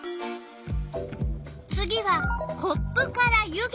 次はコップから湯気？